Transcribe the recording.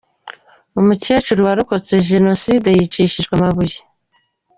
Umukecuru warokotse jenoside yicishijwe amabuye